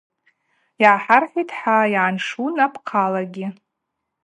Йгӏахӏархӏвитӏ хӏа: – Йгӏаншун апхъалагьи.